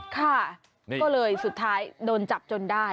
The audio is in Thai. ค่ะก็เลยสุดท้ายโดนจับจนได้